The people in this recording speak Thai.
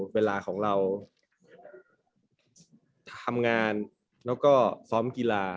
เวลาของเราทำงานแล้วก็ซ้อมกีฬา